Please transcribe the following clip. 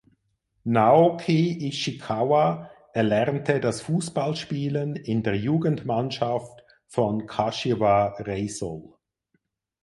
Naoki Ishikawa erlernte das Fußballspielen in der Jugendmannschaft von Kashiwa Reysol.